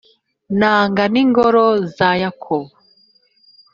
nanga n’ingoro za yakobo